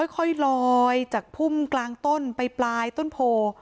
ค่อยลอยจากพุ่มกลางต้นไปปลายต้นโพ